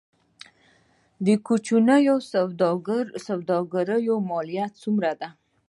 د کوچنیو سوداګریو مالیه څومره ده؟